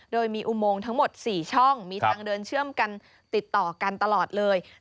โดยมีอุโมงทั้งหมด๔ช่องมีทางเดินเชื่อมกันติดต่อกันตลอดเลย